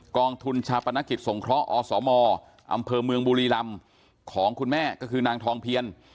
กองทุนชาปนกิจสงเคราะห์อสมอำเภอเมืองบุรีรำของคุณแม่ก็คือนางทองเพียน